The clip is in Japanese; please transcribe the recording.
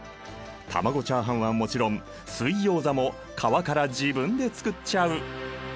卵チャーハンはもちろん水ギョーザも皮から自分で作っちゃう！